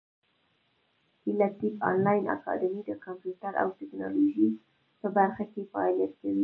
هیله ټېک انلاین اکاډمي د کامپیوټر او ټبکنالوژۍ په برخه کې فعالیت کوي.